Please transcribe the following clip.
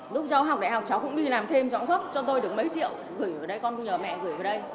lúc cháu học đại học cháu cũng đi làm thêm cháu cũng khóc cho tôi được mấy triệu gửi vào đây con tôi nhờ mẹ gửi vào đây